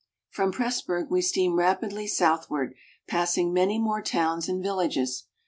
From Pressburg we steam rapidly southward, passing many more towns and villages.